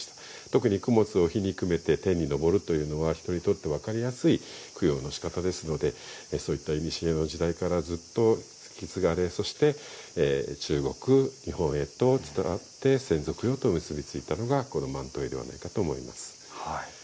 特に供物を火にくべて天に昇るというのは人にとって分かりやすい供養ですのでそういった、いにしえの時代からずっと引き継がれそして中国、日本へと伝わって先祖供養へと結び付いたのが万灯会ではないかと思います。